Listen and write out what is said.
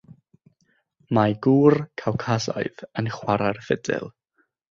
Mae gŵr Cawcasaidd yn chwarae'r ffidil.